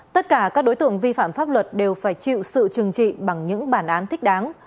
tất cả các đối tượng vi phạm pháp luật đều phải chịu sự trừng trị bằng những bản án thích đáng